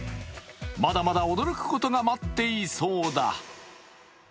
まだまだ驚くことが待っていそうだ。